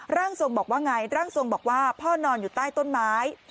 ร่างทรงบอกว่าไงร่างทรงบอกว่าพ่อนอนอยู่ใต้ต้นไม้